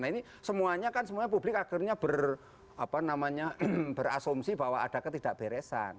nah ini semuanya kan semuanya publik akhirnya berapa namanya berasumsi bahwa ada ketidakberesan